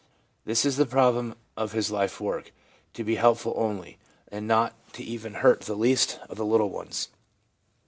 This is the problem of his life work, to be helpful only, and not to hurt even the least of the little ones.